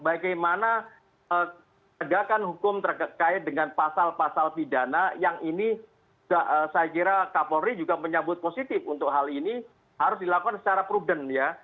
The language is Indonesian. bagaimana tegakan hukum terkait dengan pasal pasal pidana yang ini saya kira kapolri juga menyambut positif untuk hal ini harus dilakukan secara prudent ya